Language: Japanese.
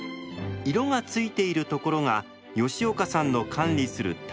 色がついているところが吉岡さんの管理する田んぼ。